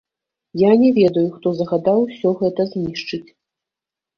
Я не ведаю, хто загадаў усё гэта знішчыць.